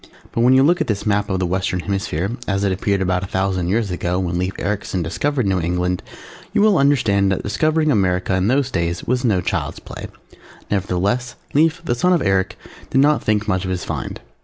But when you look at this map of the Western Hemisphere as it appeared about a thousand years ago, when Lief Ericsen discovered New England, you will understand that discovering America in those days was no child's play. Nevertheless, Lief, the son of Eric, did not think much of his find.